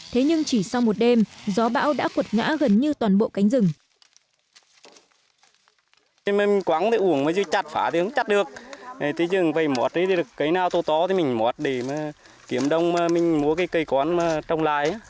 thế nhưng chỉ sau một đêm gió bão đã quật ngã gần như toàn bộ cánh rừng